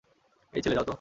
এই ছেলে, যাও তো!